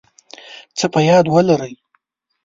څه په یاد ولرئ